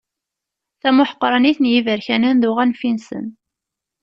Tamuḥeqranit n yiberkanen d uɣanfi-nsen.